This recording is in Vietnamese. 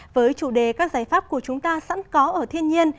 với chủ đề các giải pháp của chúng ta sẵn có ở thiên nhiên